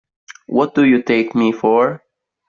What Do You Take Me For?